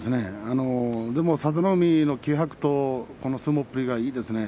佐田の海の気迫と相撲っぷりがいいですね。